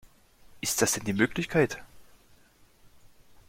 Ist das denn die Möglichkeit?